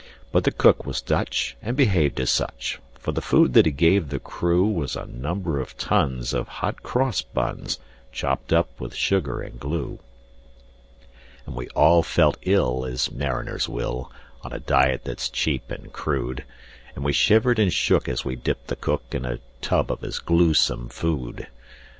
But the cook was Dutch, and behaved as such; For the food that he gave the crew Was a number of tons of hot cross buns, Chopped up with sugar and glue. And we all felt ill as mariners will, On a diet that's cheap and rude; And we shivered and shook as we dipped the cook In a tub of his gluesome food.